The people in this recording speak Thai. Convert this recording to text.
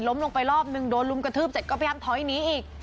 ลงไปรอบนึงโดนลุมกระทืบเสร็จก็พยายามถอยหนีอีก